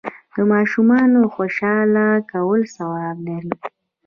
د ماشومانو خوشحاله کول ثواب لري.